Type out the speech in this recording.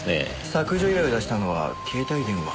削除依頼を出したのは携帯電話。